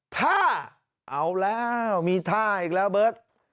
ถ้าเอาแล้วมีท่าอีกแล้วเบิร์ต